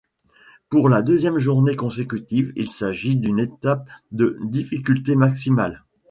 Pour la deuxième journée consécutive, il s'agit d'une étape de difficulté maximale.